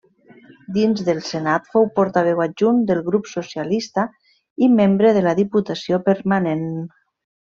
Dins del Senat fou portaveu adjunt del Grup Socialista i membre de la Diputació permanent.